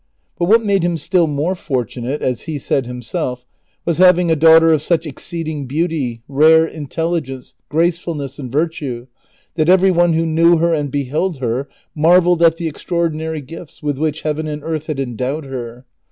But what made him still more fortunate, as he said himself, was having a daughter of such exceeding beauty, rare intelligence, gracefulness, and virtue, that every one who knew her and beheld her marvelled at the extraordinary gifts with which heaven and earth had endowed her.